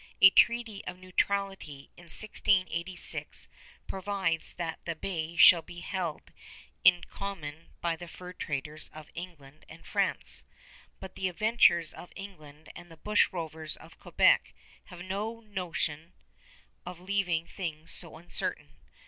A treaty of neutrality in 1686 provides that the bay shall be held in common by the fur traders of England and France; but the adventurers of England and the bushrovers of Quebec have no notion of leaving things so uncertain.